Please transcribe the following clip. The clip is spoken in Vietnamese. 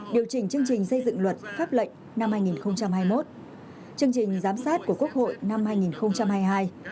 điều chỉnh chương trình xây dựng luật pháp lệnh năm hai nghìn hai mươi một chương trình giám sát của quốc hội năm hai nghìn hai mươi hai